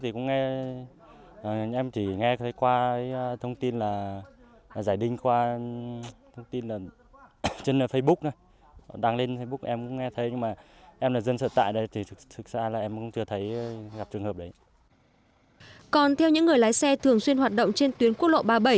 còn theo những người lái xe thường xuyên hoạt động trên tuyến quốc lộ ba mươi bảy